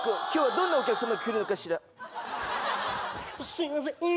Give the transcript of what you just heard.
すいません。